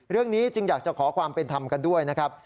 เรื่องนี้จึงอยากจะขอความเป็นธรรมกันด้วยนะครับ